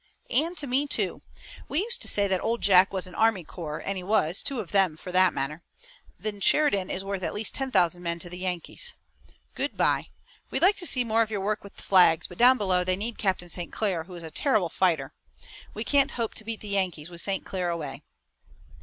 "And to me, too. We used to say that Old Jack was an army corps, and he was, two of them for that matter. Then Sheridan is worth at least ten thousand men to the Yankees. Good by, we'd like to see more of your work with the flags, but down below they need Captain St. Clair, who is a terrible fighter. We can't hope to beat the Yankees with St. Clair away."